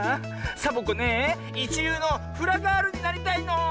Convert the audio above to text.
サボ子ねえいちりゅうのフラガールになりたいの！